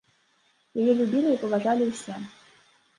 Яе любілі і паважалі ўсе.